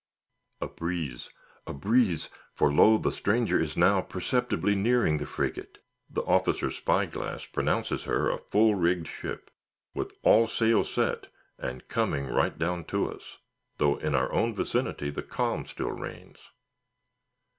A breeze! a breeze! for lo! the stranger is now perceptibly nearing the frigate; the officer's spyglass pronounces her a full rigged ship, with all sail set, and coming right down to us, though in our own vicinity the calm still reigns.